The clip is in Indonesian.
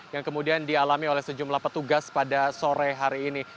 yang kemudian dialami oleh sejumlah petugas pada sore hari ini